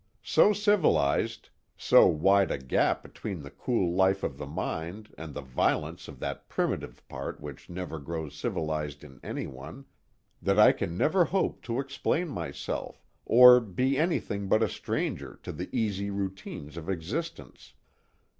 So civilized so wide a gap between the cool life of the mind and the violence of that primitive part which never grows civilized in anyone that I can never hope to explain myself, or be anything but a stranger to the easy routines of existence.